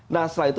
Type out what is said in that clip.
nah setelah itu